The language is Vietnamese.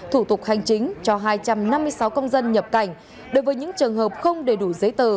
thủ tục hành chính cho hai trăm năm mươi sáu công dân nhập cảnh đối với những trường hợp không đầy đủ giấy tờ